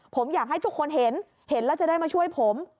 ผมอยากให้ทุกคนเห็นเห็นแล้วจะได้มาช่วยผม